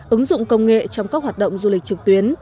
ứng dụng công nghệ trong các hoạt động du lịch trực tuyến